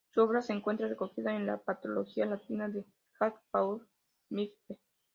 Su obra se encuentra recogida en la "Patrología latina" de Jacques-Paul Migne.